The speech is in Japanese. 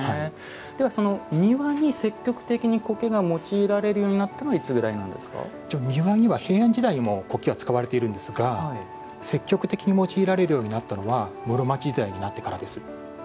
では、その庭に積極的に苔が用いられるようになったのは一応、庭には平安時代にも苔は使われているんですが積極的に用いられるようになったのは室町時代になってからです。